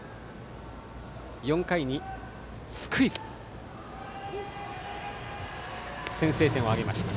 ４回にスクイズで先制点を挙げました。